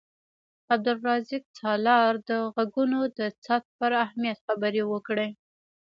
عبدالرزاق سالار د غږونو د ثبت پر اهمیت خبرې وکړې.